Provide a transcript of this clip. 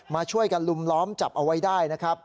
มาช่วยกันลุมล้อมจับเอาไว้ได้นะครับ